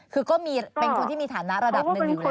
คือก็มีเป็นคนที่มีฐานะระดับหนึ่งอยู่แล้วไหมคะ